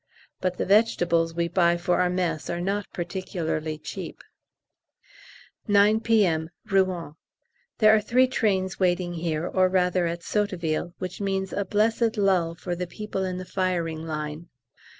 But the vegetables we buy for our mess are not particularly cheap. 9 P.M., R. There are three trains waiting here, or rather at S., which means a blessed lull for the people in the firing line.